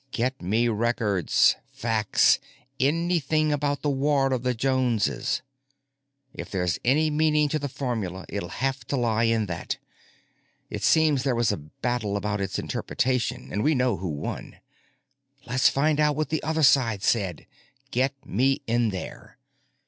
Get me records, facts, anything about the War of the Joneses. If there's any meaning to the formula it'll have to lie in that. It seems there was a battle about its interpretation and we know who won. Let's find out what the other side said. Get me in there."